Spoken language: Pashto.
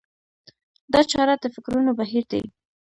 دا چاره د فکرونو بهير دی.